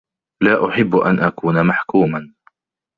لا أحب أن أكون محكوما